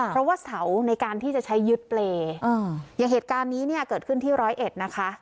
เพราะว่าเสาในการที่จะใช้ยึดเปรย์อย่างเหตุการณ์นี้เนี่ยเกิดขึ้นที่ร้อยเอ็ดนะคะ